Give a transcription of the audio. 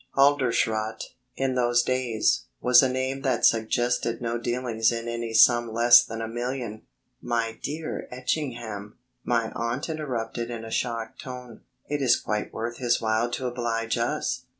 Halderschrodt, in those days, was a name that suggested no dealings in any sum less than a million. "My dear Etchingham," my aunt interrupted in a shocked tone, "it is quite worth his while to oblige us...."